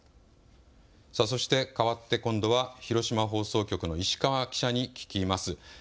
そしてかわって今度は広島放送局の石川記者に聞きます。